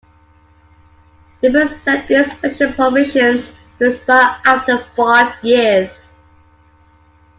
The bill set these special provisions to expire after five years.